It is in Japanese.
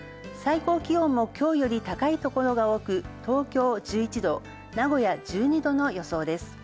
最高気温も今日より高いところが多く、東京１１度、名古屋１２度の予想です。